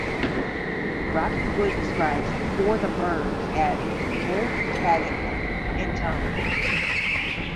Rocky Wood describes "For the Birds" as "very casual" in tone.